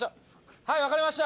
はいわかりました。